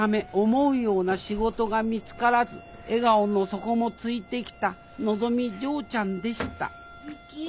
思うような仕事が見つからず笑顔の底もついてきたのぞみ嬢ちゃんでしたリキ。